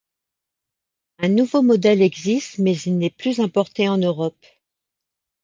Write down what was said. Un nouveau modèle existe mais il n'est plus importé en Europe.